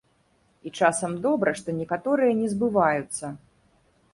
І часам добра, што некаторыя не збываюцца.